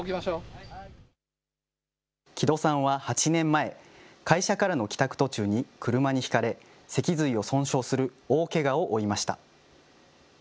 木戸さんは８年前、会社からの帰宅途中に車にひかれ脊髄を損傷する大けがを負いました。